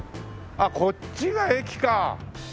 あっこっちが駅か！